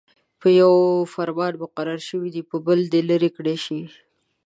په يوه فرمان مقرر شوي دې په بل دې لیرې کړل شي.